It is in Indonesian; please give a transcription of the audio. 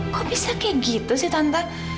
kok bisa kayak gitu sih tante